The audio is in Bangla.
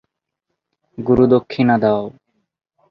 গুরু দক্ষিণা দাও।